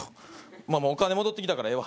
まあお金戻ってきたからええわ。